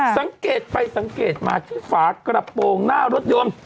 สังเกตไปสังเกตมาที่ฝากระโปรงหน้ารถยนต์